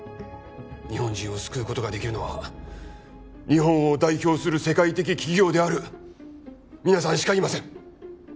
日本人を救うことができるのは日本を代表する世界的企業である皆さんしかいません